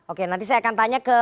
oke nanti saya akan tanya ke